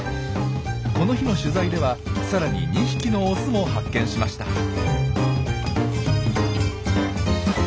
この日の取材ではさらに２匹のオスも発見しました。